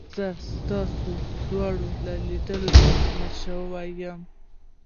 زه ستاسي دواړو له لیدو څخه مړه شوې یم.